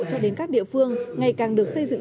cho đến các địa phương ngày càng được xây dựng